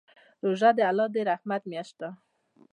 روژه د الله د رحمت میاشت ده.